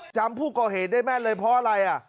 จำผู้ก่อเหตุได้แม่นเลยเพราะอะไร